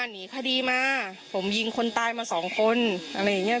หนีคดีมาผมยิงคนตายมาสองคนอะไรอย่างเงี้